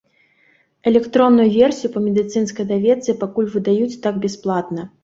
Электронную версію па медыцынскай даведцы пакуль выдаюць так, бясплатна.